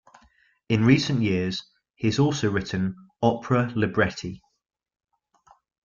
In recent years he has also written opera libretti.